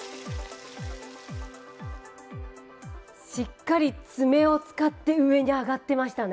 しっかりつめを使って上に上がってましたね。